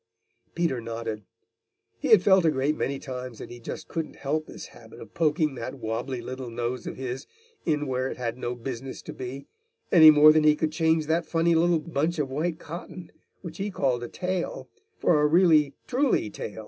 Peter nodded. He had felt a great many times that he just couldn't help this habit of poking that wobbly little nose of his in where it had no business to be, any more than he could change that funny little bunch of white cotton, which he called a tail, for a really, truly tail.